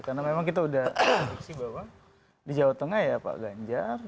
karena memang kita udah di jawa tengah ya pak ganjar